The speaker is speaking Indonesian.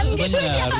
di pelaminan gitu ya